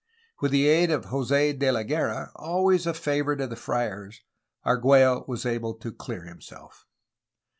With the aid of Jos^ De la Guerra, always a favorite of the friars, Argiiello was able to clear himself.